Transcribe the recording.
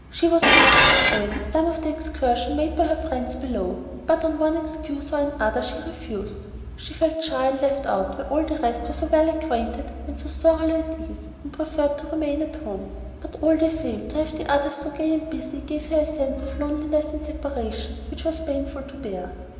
She was urged to join some of the excursions made by her friends below, but on one excuse or another she refused. She felt shy and left out where all the rest were so well acquainted and so thoroughly at ease, and preferred to remain at home; but all the same, to have the others so gay and busy gave her a sense of loneliness and separation which was painful to bear.